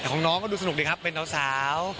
แต่ของน้องก็ดูสนุกดีครับเป็นสาว